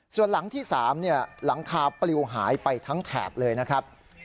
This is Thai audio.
ส่วนหลังที่๓หลังคาปลิวหายไปทั้งแถบเลยนะครับ